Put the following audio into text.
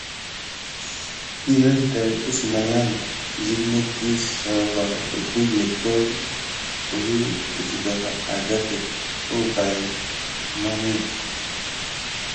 Kirne tàt əsmaya site netki sakuɓa vi lʼékokle angraka wubaye kudmakiyague.